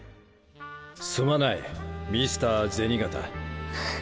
すまないミスター銭形。